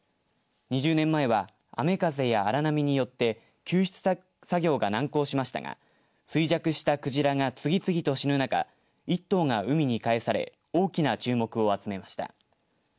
２０年前は雨風や荒波によって救出作業が難航しましたが衰弱したクジラが次々と死ぬ中１頭が海に帰され大きな注目を集めました。